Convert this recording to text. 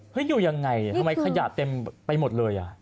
อยู่ยังไงทำไมขยะเต็มไปหมดเลย